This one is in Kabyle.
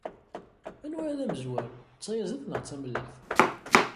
Anwa i d amezwaru, d tayaẓiḍt neɣ d tamellalt?